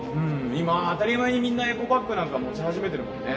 今当たり前にみんなエコバッグなんか持ち始めてるもんね。